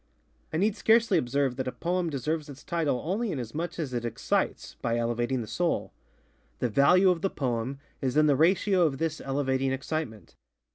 I need scarcely observe that a poem deserves its title only inasmuch as it excites, by elevating the soul. The value of the poem is in the ratio of this elevating excitement.